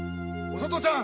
お里ちゃん